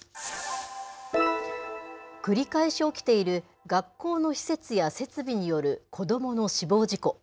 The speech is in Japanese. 繰り返し起きている、学校の施設や設備による子どもの死亡事故。